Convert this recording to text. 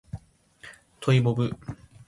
トイボブ